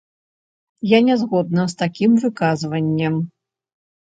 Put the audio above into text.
Я не згодна з такім выказваннем.